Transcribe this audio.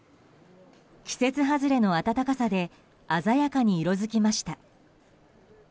季節外れの暖かさで鮮やかに色づきました。